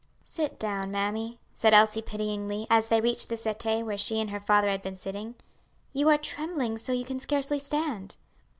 "Sit down, mammy," said Elsie pityingly, as they reached the settee where she and her father had been sitting; "you are trembling so you can scarcely stand."